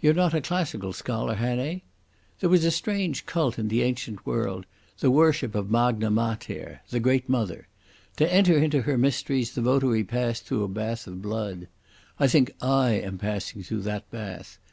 "You're not a classical scholar, Hannay? There was a strange cult in the ancient world, the worship of Magna Mater—the Great Mother. To enter into her mysteries the votary passed through a bath of blood——I think I am passing through that bath.